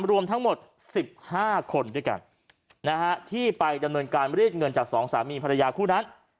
รวมทั้งหมด๑๕คนด้วยกันที่ไปดำเนินการรีดเงินจากสองสามีภรรยาคู่นั้น